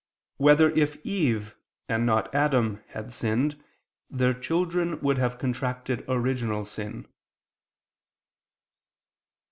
5] Whether If Eve, and Not Adam, Had Sinned, Their Children Would Have Contracted Original Sin?